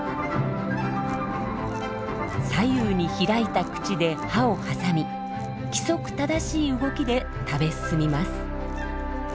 左右に開いた口で葉を挟み規則正しい動きで食べ進みます。